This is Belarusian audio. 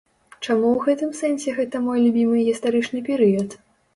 Чаму ў гэтым сэнсе гэта мой любімы гістарычны перыяд?